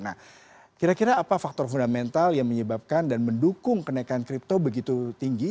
nah kira kira apa faktor fundamental yang menyebabkan dan mendukung kenaikan kripto begitu tinggi